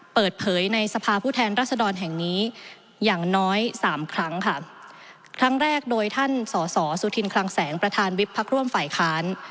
เปิดเผยในสภาพผู้แทนรัศดรแห่งนี้อย่างน้อยสามครั้งค่ะครั้งแรกโดยท่านสอสอสุธินคลังแสงประธานวิบพักร่วมฝ่ายค้าน